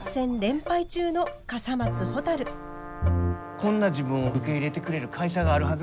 こんな自分を受け入れてくれる会社があるはず